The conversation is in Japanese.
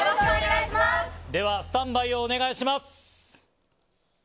では、スタンバイをお願いします。